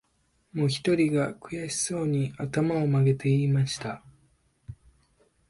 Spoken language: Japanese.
もひとりが、くやしそうに、あたまをまげて言いました